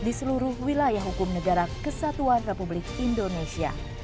di seluruh wilayah hukum negara kesatuan republik indonesia